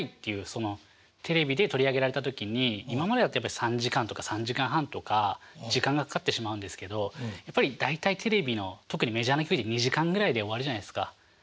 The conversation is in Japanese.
そのテレビで取り上げられた時に今までだったら３時間とか３時間半とか時間がかかってしまうんですけどやはり大体テレビの特にメジャーの競技２時間ぐらいで終わるじゃないですか。